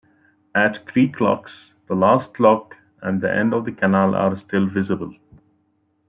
At Creeklocks the last lock and the end of the canal are still visible.